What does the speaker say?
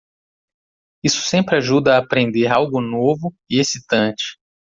Isso sempre ajuda a aprender algo novo e excitante.